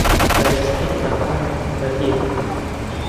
بەرزترین مەقامی حکوومەتییە